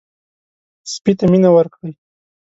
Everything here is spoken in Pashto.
سپي ته مینه ورکړئ.